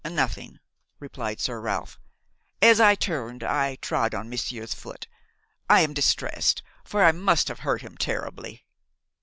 "Nothing," replied Sir Ralph; "as I turned I trod on monsieur's foot; I am distressed, for I must have hurt him terribly."